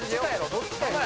どっちかよ。